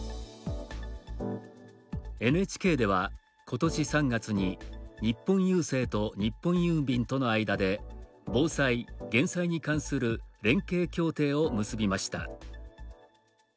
ＮＨＫでは、ことし３月に日本郵政と日本郵便との間で「防災・減災に関する連携協定」を結びました。